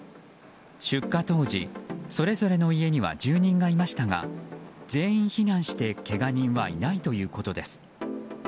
出火当時、それぞれの家には住人がいましたが全員避難してけが人はいないということです。